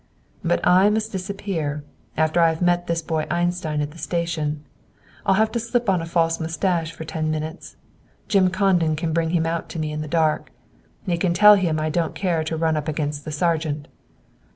"But I must disappear, after I have met this boy Einstein at the station. I'll have to slip on a false mustache for ten minutes. Jim Condon can bring him out to me in the dark. He can tell him I don't care to run up against the sergeant."